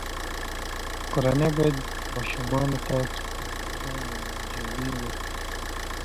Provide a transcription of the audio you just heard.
کورنۍ باید ماشومانو ته کتابونه او مجلې ورکړي.